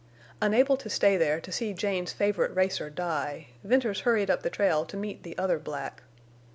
Unable to stay there to see Jane's favorite racer die, Venters hurried up the trail to meet the other black.